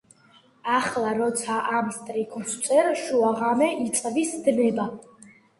ახლა, როცა ამ სტრიქონს ვწერ, შუაღამე იწვის, დნება.